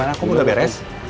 gimana kok belum beres